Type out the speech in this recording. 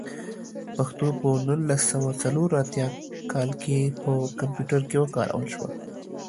پښتو په نولس سوه څلور اتيايم کال کې په کمپيوټر کې وکارول شوه.